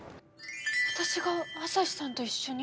私があさひさんと一緒に！？